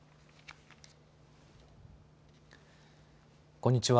こんにちは。